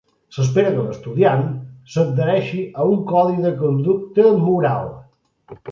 S'espera que l'estudiantat s'adhereixi a un codi de conducta moral.